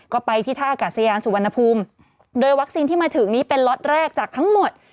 ก็ไปที่ท่ากาศยานสุวรรณภูมิโดยวัคซีนที่มาถึงนี้เป็นล็อตแรกจากทั้งหมด